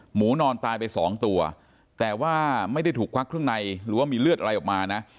นอนตายไปสองตัวแต่ว่าไม่ได้ถูกควักเครื่องในหรือว่ามีเลือดอะไรออกมานะ